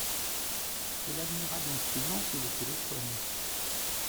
Quel admirable instrument que le téléphone !…